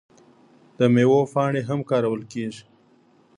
د میوو پاڼې هم کارول کیږي.